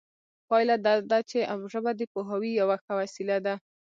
پایله دا ده چې ژبه د پوهاوي یوه ښه وسیله ده